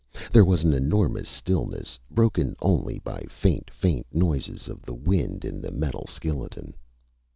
There was an enormous stillness, broken only by faint, faint noises of the wind in the metal skeleton.